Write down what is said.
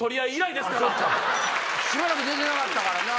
しばらく出てなかったからな。